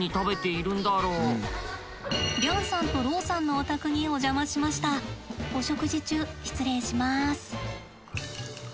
お食事中失礼します。